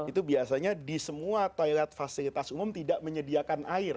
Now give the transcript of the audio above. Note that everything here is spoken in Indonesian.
itu biasanya di semua toilet fasilitas umum tidak menyediakan air